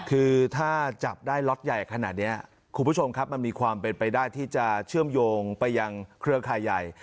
คือถ้าจับได้ล็อตใหญ่ขนาดนี้คุณผู้ชมครับมันมีความเป็นไปได้ที่จะเชื่อมโยงไปยังเครือข่ายใหญ่